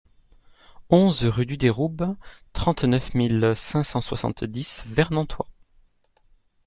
onze rue du Déroube, trente-neuf mille cinq cent soixante-dix Vernantois